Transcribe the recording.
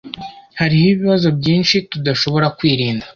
Hariho ibibazo byinshi tudashobora kwirinda.